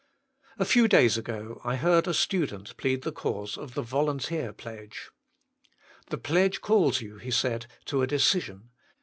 A few days ago I heard a student plead the cause of the Volunteer Hedge. " The pledge calls you," he said, " to a decision.